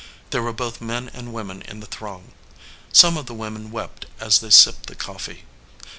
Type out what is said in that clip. There were both men and women in the throng. Some of the women wept as they sipped the coffee.